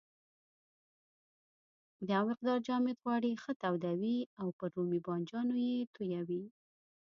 یو مقدار جامد غوړي ښه تودوي او پر رومي بانجانو یې تویوي.